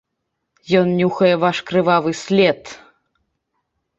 Ён нюхае ваш крывавы след.